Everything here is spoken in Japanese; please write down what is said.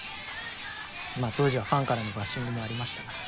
まあ当時はファンからのバッシングもありました。